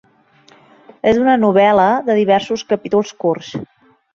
És una novel·la de diversos capítols curts.